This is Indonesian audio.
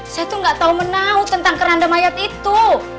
saya tuh gak tahu menau tentang keranda mayat itu